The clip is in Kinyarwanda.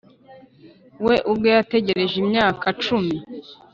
we ubwe wategereje imyaka cumi.